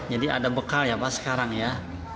jadi ada bekal ya pak sekarang ya